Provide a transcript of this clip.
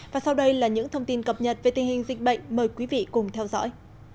và sau đây là những thông tin cập nhật về tình hình dịch bệnh mời quý vị cùng theo dõi